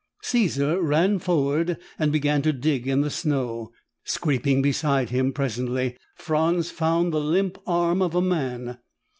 Caesar ran forward and began to dig in the snow. Scraping beside him, presently Franz found the limp arm of a man.